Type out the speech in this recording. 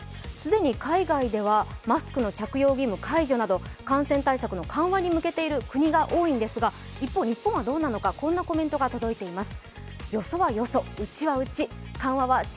海外では既にマスクの着用義務解除など感染対策の緩和に向けている国が多いんですが、一方、日本はどうなのか、こんなコメントが届いています。